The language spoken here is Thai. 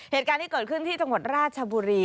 เหตุการณ์ที่เกิดขึ้นที่จังหวัดราชบุรี